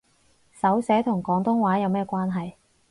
手寫同廣東話有咩關係